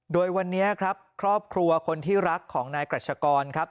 โดยวันนี้ครับครอบครัวคนที่รักของนายกรัชกรครับ